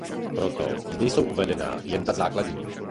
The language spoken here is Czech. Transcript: Proto zde jsou uvedena jen ta základní.